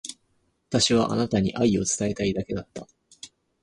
私はあなたに愛を伝えたいだけだった。